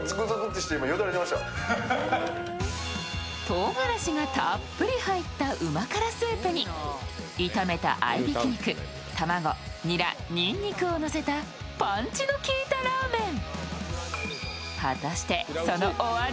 とうがらしがたっぷり入ったうま辛スープに炒めた合いびき肉、卵、ラ、にんにくをのせたパンチの効いたラーメン。